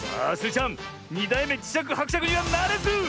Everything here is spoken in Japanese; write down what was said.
ちゃん２だいめじしゃくはくしゃくにはならず！